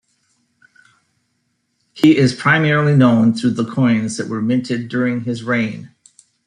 He is primarily known through the coins that were minted during his reign.